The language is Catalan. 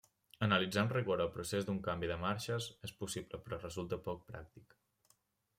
Analitzar amb rigor el procés d'un canvi de marxes és possible però resulta poc pràctic.